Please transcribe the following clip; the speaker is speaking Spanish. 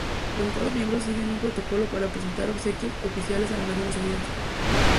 Los estados miembros siguen un protocolo para presentar obsequios oficiales a las Naciones Unidas.